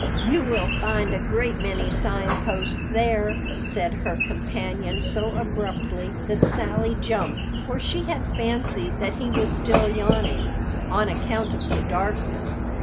"You will find a great many Sign Posts there," said her companion so abruptly that Sally jumped, for she had fancied that he was still yawning, "on account of the darkness.